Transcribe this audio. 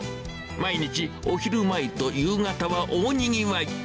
毎日お昼前と夕方は大にぎわい。